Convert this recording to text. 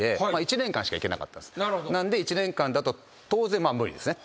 １年間だと当然無理ですね。